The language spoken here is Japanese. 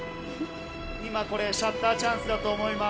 今、シャッターチャンスだと思います。